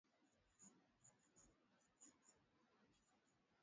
Mwaka elfu moja mia tisa themanini nan ne